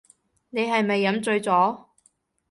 你係咪飲醉咗